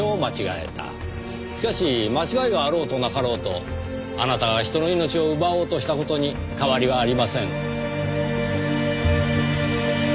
しかし間違いがあろうとなかろうとあなたが人の命を奪おうとした事に変わりはありません。